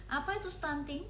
apa itu stunting